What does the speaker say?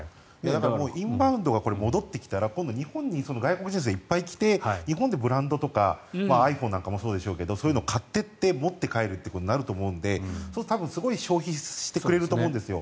インバウンドが戻ってきたら今度は日本に外国人観光客がいっぱい来て日本でブランドとかｉＰｈｏｎｅなんかもそうでしょうけどそういうのを買って持って帰るということになると思うのでそうするとすごい消費してくれると思うんですよ。